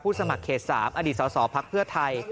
ผู้สมัครเขต๓อดีตส่อภักดิ์เพื่อไทย